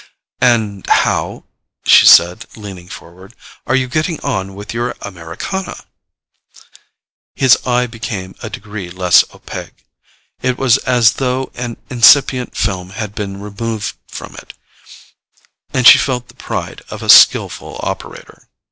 "And how," she said, leaning forward, "are you getting on with your Americana?" His eye became a degree less opaque: it was as though an incipient film had been removed from it, and she felt the pride of a skilful operator.